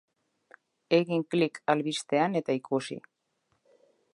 Egin klik albistean eta ikusi.